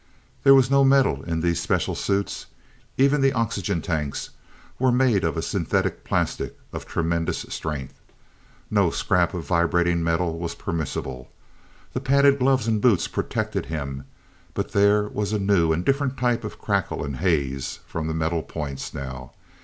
There was no metal in these special suits, even the oxygen tanks were made of synthetic plastics of tremendous strength. No scrap of vibrating metal was permissible. The padded gloves and boots protected him but there was a new and different type of crackle and haze from the metal points now.